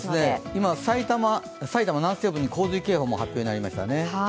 今、埼玉南西部に洪水警報も発表になりましたね。